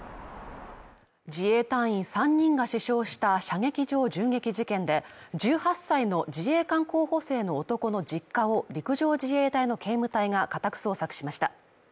自衛隊員３人が死傷した射撃場銃撃事件で、１８歳の自衛官候補生の男の実家を陸上自衛隊の警務隊が家宅捜索しました。